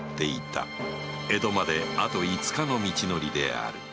江戸まであと五日の道のりである